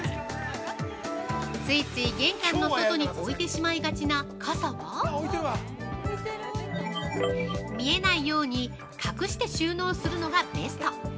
ついつい玄関の外に置いてしまいがちな傘は見えないように隠して収納するのがベスト。